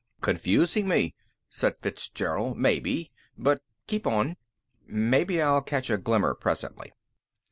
"Confusing me," said Fitzgerald, "maybe. But keep on. Maybe I'll catch a glimmer presently."